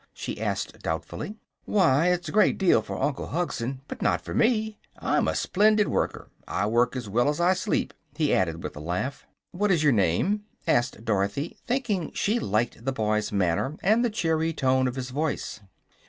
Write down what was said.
she asked, doubtfully. "Why, it's a great deal for Uncle Hugson, but not for me. I'm a splendid worker. I work as well as I sleep," he added, with a laugh. "What is your name?" asked Dorothy, thinking she liked the boy's manner and the cheery tone of his voice.